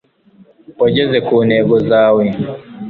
wageze ku ntego zawe